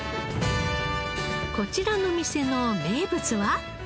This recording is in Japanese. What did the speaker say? こちらの店の名物は？